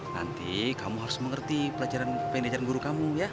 nanti kamu harus mengerti pelajaran manajer guru kamu ya